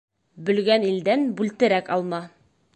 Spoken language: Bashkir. Бөлгән илдән бүлтерәк алма.